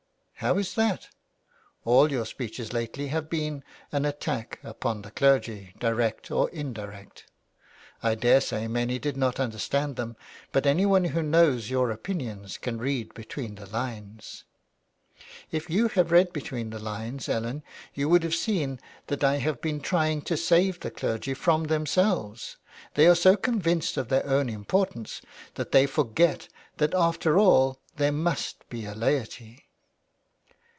''" How is that V *' All your speeches lately have been an attack upon 349 THE WILD GOOSE. the clergy direct or indirect. I daresay many did not understand them but anyone who knows your opinions can read between the lines." "If you had read between the lines, Ellen, you would have seen that I have been trying to save the clergy from themselves. They are so convinced of their own importance that they forget that after all there must be a laity.''